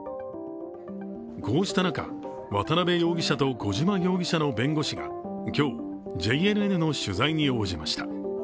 こうした中、渡辺容疑者と小島容疑者の弁護士が今日、ＪＮＮの取材に応じました。